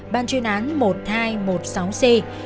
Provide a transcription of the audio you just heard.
ban chuyên án một nghìn hai trăm một mươi sáu c